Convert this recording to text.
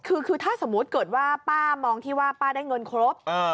คือถ้าสมมุติเกิดว่าป้ามองที่ว่าป้าได้เงินครบ